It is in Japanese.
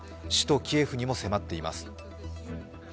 首都キエフにも迫っています。